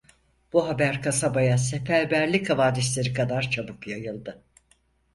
Bu haber kasabaya seferberlik havadisleri kadar çabuk yayıldı.